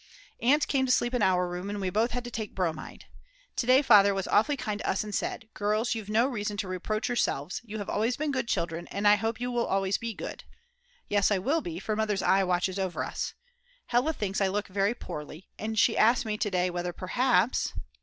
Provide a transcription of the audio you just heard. Aunt came to sleep in our room and we both had to take bromide. To day Father was awfully kind to us and said: "Girls, you've no reason to reproach yourselves, you have always been good children, and I hope you always will be good." Yes, I will be, for Mother's eye watches over us. Hella thinks I look very poorly, and she asked me to day whether perhaps